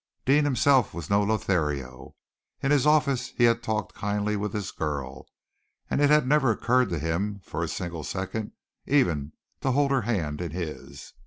Deane himself was no Lothario. In his office he had talked kindly with this girl, and it had never occurred to him for a single second even to hold her hand in his.